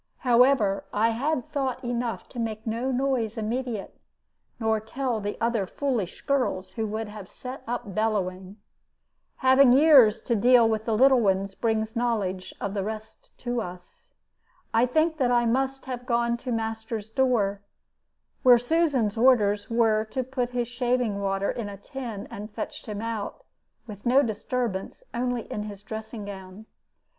However, I had thought enough to make no noise immediate, nor tell the other foolish girls, who would have set up bellowing. Having years to deal with little ones brings knowledge of the rest to us. I think that I must have gone to master's door, where Susan's orders were to put his shaving water in a tin, and fetched him out, with no disturbance, only in his dressing gown.